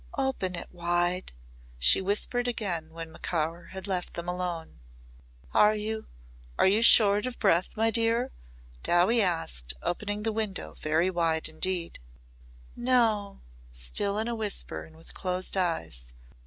"Open it wide," she whispered again when Macaur had left them alone. "Are you are you short of breath, my dear?" Dowie asked opening the window very wide indeed. "No," still in a whisper and with closed eyes.